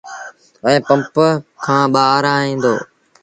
ائيٚݩ پمپ کآݩ ٻآهر آئي دو۔